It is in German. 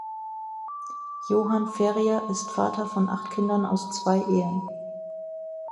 Johan Ferrier ist Vater von acht Kindern aus zwei Ehen.